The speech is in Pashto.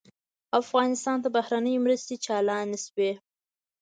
افغانستان ته بهرنۍ مرستې چالانې شوې.